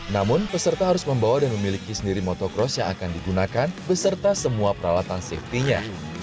namun peserta harus membawa dan memiliki sendiri motocross yang akan digunakan beserta semua peralatan safety nya